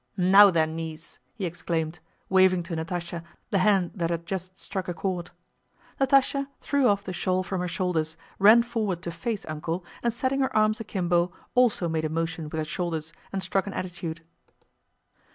"Now then, niece!" he exclaimed, waving to Natásha the hand that had just struck a chord. Natásha threw off the shawl from her shoulders, ran forward to face "Uncle," and setting her arms akimbo also made a motion with her shoulders and struck an attitude.